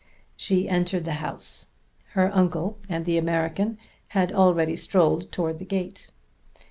She entered the house. Her uncle and the American had already strolled towards the gate.